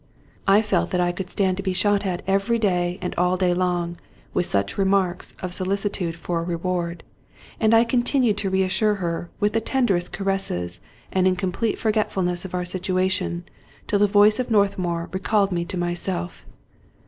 I felt that I could stand to be shot at every day and all day long, with such remarks of solici tude for a reward; and I continued to reassure her, with the tenderest caresses and in complete forgetfulness of our situation, till the voice of Northmour recalled me to myself.